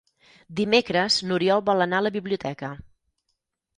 Dimecres n'Oriol vol anar a la biblioteca.